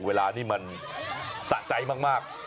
เวลานี้มันสะใจมาก